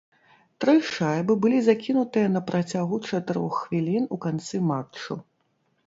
Тры шайбы былі закінутыя на працягу чатырох хвілін у канцы матчу.